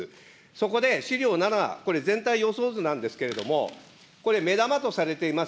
そこで資料７、これ、全体予想図なんですけれども、これ、目玉とされています